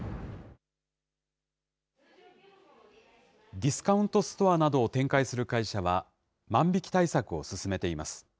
ディスカウントストアなどを展開する会社は、万引き対策を進めています。